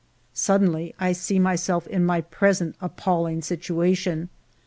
... Suddenly I see myself in my present appal ling situation.